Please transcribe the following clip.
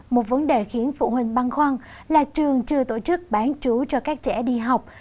một vấn đề khiến phụ huynh băn khoăn là trường chưa tổ chức bán chú cho các trẻ đi học